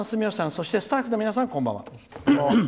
そして、スタッフの皆さんこんばんは。